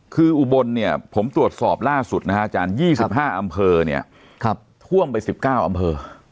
คืออุบลเนี่ยผมตรวจสอบล่าสุดนะฮะอาจารย์๒๕อำเภอเนี่ยท่วมไป๑๙อำเภอ